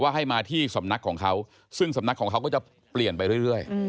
ให้มาที่สำนักของเขาซึ่งสำนักของเขาก็จะเปลี่ยนไปเรื่อย